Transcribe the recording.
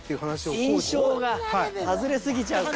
印象が外れすぎちゃうから。